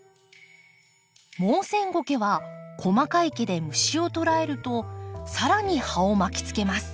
モウセンゴケは細かい毛で虫を捕らえると更に葉を巻きつけます。